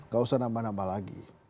gak usah nambah nambah lagi